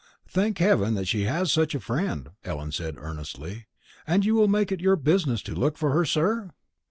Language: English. "Thank heaven that she has such a friend," Ellen said earnestly. "And you will make it your business to look for her, sir?"